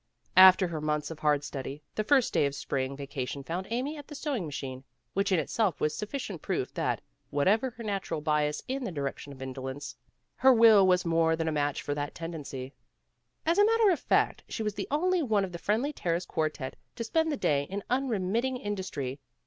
After her months of hard study, the first day of the spring vacation found Amy at the sew ing machine, which in itself was sufficient proof that, whatever her natural bias in the direction WHAT'S IN A NAME? of indolence, her will was more than a match for that tendency. As a matter of fact she was the only one of the Friendly Terrace quartette to spend the day in unremitting industry.